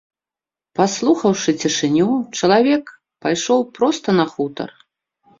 Паслухаўшы цішыню, чалавек пайшоў проста на хутар.